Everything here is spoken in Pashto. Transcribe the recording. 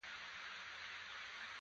زما د سفر الوتکه کې ایل ایم وه.